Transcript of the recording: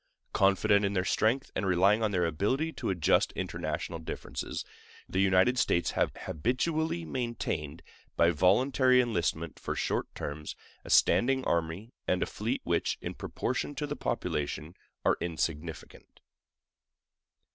Confident in their strength, and relying on their ability to adjust international differences, the United States have habitually maintained, by voluntary enlistment for short terms, a standing army and a fleet which, in proportion to the population, are insignificant.